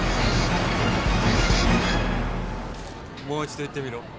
もう一度言ってみろ。